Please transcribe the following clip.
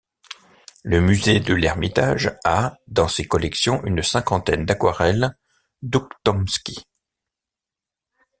Le Musée de l'Ermitage a dans ses collections une cinquantaine d'aquarelles d'Oukhtomski.